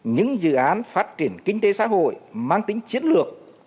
những dự án phát triển kinh tế xã hội mang tính chiến lược